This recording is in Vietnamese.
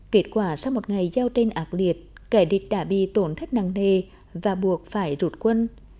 kết quả sau một ngày giao tranh ác liệt kẻ địch đã bị tổn thất nặng nề và buộc phải rút quân